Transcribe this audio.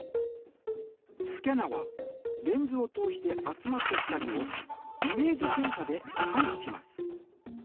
スキャナはレンズを通して集まった光をイメージセンサで感知します。